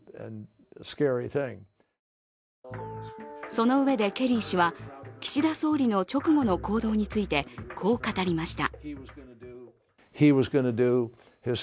そのうえでケリー氏は岸田総理の直後の行動についてこう語りました。